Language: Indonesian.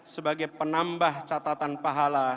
sebagai penambah catatan pahala